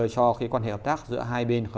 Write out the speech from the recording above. cho quan hệ hợp tác giữa hai bên